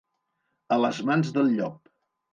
A les mans del llop.